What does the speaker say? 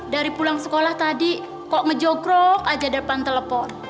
dari pulang sekolah tadi kok ngejogro aja depan telepon